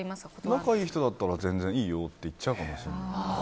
仲いい人だったら、いいよって言っちゃうかもしれない。